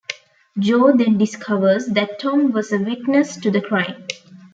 Joe then discovers that Tom was a witness to the crime.